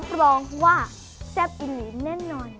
รับรองว่าแซ่บอีกนิดแน่นอน